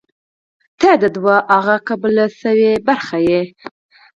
• ته د دعا هغه قبل شوې برخه یې.